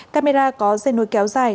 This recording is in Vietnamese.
camera có dây nôi kéo dài